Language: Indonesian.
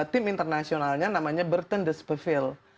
tim internasionalnya namanya burton desbeville